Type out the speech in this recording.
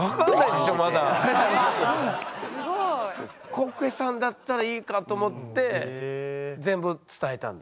コッフェさんだったらいいかと思って全部伝えたんだ。